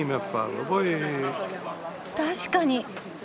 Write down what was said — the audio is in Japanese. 確かに。